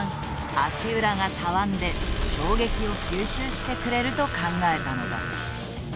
足裏がたわんで衝撃を吸収してくれると考えたのだ。